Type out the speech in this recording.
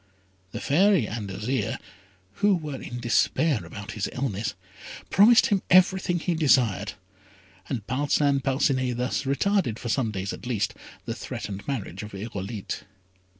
The Fairy and Azire, who were in despair about his illness, promised him everything he desired; and Parcin Parcinet thus retarded, for some days at least, the threatened marriage of Irolite.